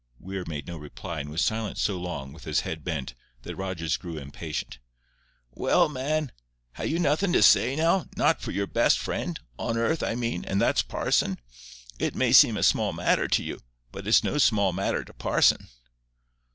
Weir made no reply, and was silent so long, with his head bent, that Rogers grew impatient. "Well, man, ha' you nothing to say now—not for your best friend—on earth, I mean—and that's parson? It may seem a small matter to you, but it's no small matter to parson."